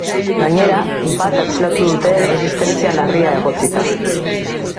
Gainera, bat atxilotu dute erresistentzia larria egotzita.